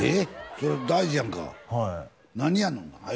それ大事やんかはい何やのはよ